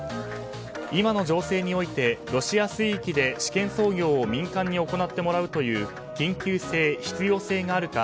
今の情勢において、ロシア水域で試験操業を民間に行ってもらうという緊急性・必要性があるか